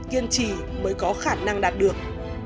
kiên trì mới có khả năng đạt được